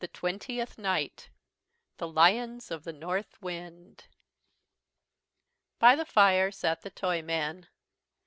TWENTIETH NIGHT THE LIONS OF THE NORTH WIND By the fire sat the Toyman.